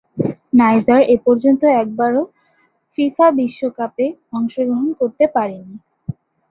Niger এপর্যন্ত একবারও FIFA বিশ্বকাপে অংশগ্রহণ করতে পারেনি।